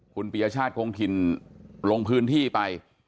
คุณปียชาติคงถิ่นลงพื้นที่ไป